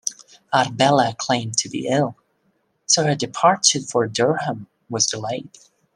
Arbella claimed to be ill, so her departure for Durham was delayed.